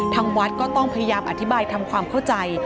ทางวัดก็ต้องพยายามอธิบายทำความเข้าใจ